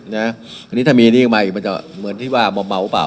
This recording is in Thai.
นะอันนี้ถ้ามีอันนี้ออกมาอีกมันจะเหมือนที่ว่ามอมเมาหรือเปล่า